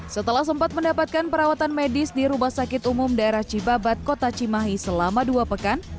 setelah sempat mendapatkan perawatan medis di rumah sakit umum daerah cibabat kota cimahi selama dua pekan